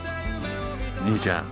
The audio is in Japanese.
兄ちゃん。